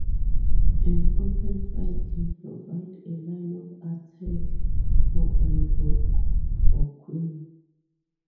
An open file can provide a line of attack for a rook or queen.